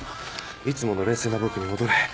いつもの冷静な僕に戻れ。